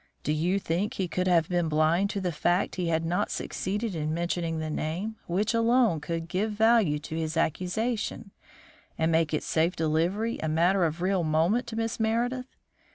Do you think he could have been blind to the fact that he had not succeeded in mentioning the name which alone could give value to his accusation, and make its safe delivery a matter of real moment to Miss Meredith?